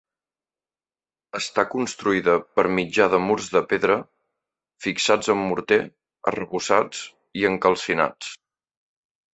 Està construïda per mitjà de murs de pedra fixats amb morter, arrebossats i encalcinats.